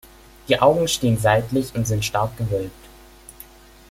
Die Augen stehen seitlich und sind stark gewölbt.